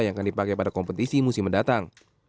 yang akan dipakai pada kompetisi musim mendatang